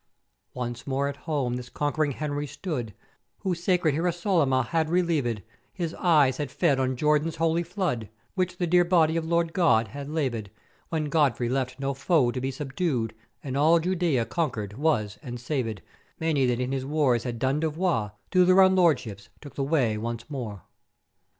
"Once more at home this conqu'ering Henry stood who sacred Hierosol'yma had relievèd, his eyes had fed on Jordan's holy flood, which the Dear Body of Lord God had lavèd; when Godfrey left no foe to be subdued, and all Judæa conquered was and savèd, many that in his wars had done devoir to their own lordships took the way once more.